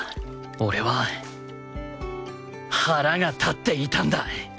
俺は腹が立っていたんだ！